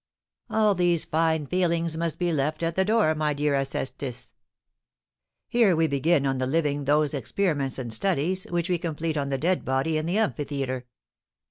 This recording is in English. "All these fine feelings must be left at the door, my dear Alcestis. Here we begin on the living those experiments and studies which we complete on the dead body in the amphitheatre."